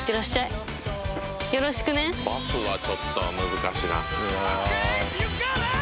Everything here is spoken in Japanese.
バスはちょっと難しいな。